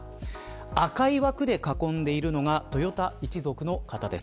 赤い枠で囲んでいるのが豊田一族の方です。